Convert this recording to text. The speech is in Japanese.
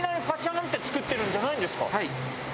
はい。